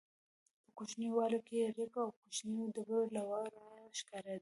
په کوچنیو ویالو کې رېګ او کوچنۍ ډبرې له ورایه ښکارېدې.